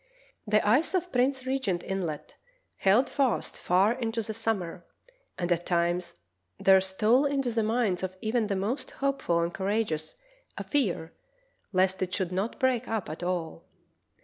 The ice of Prince Regent Inlet held fast far into the summer, and at times there stole into the minds of even the most hopeful and courageous a fear lest it should not break up at all.